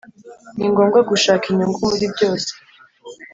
«Ni ngombwa gushaka inyungu muri byose,